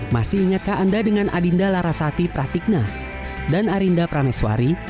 masih ingatkah anda dengan adinda larasati pratikna dan arinda praneswari